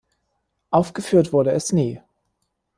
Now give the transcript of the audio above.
Aufgeführt wurde es nie.